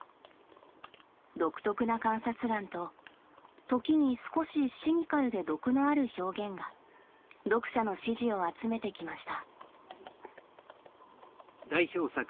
独特な観察眼と時に少しシニカルで毒のある表現が読者の支持を集めてきました。